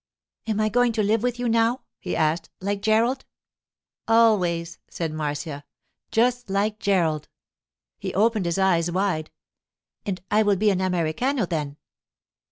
'Am I going to live with you now,' he asked, 'like Gerald?' 'Always,' said Marcia, 'just like Gerald.' He opened his eyes wide. 'And will I be an Americano then?